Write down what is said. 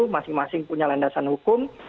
masing masing punya landasan hukum